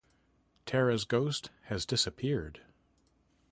Tara's ghost has disappeared.